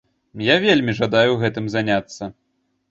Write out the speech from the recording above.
Я вельмі жадаю гэтым заняцца.